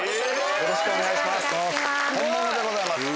よろしくお願いします。